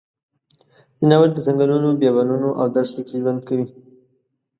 ځناور د ځنګلونو، بیابانونو او دښته کې ژوند کوي.